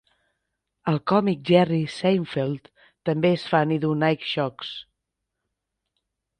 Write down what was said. El còmic Jerry Seinfeld també és fan i duu Nike Shox.